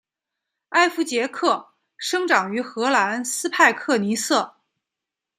艾佛杰克生长于荷兰斯派克尼瑟。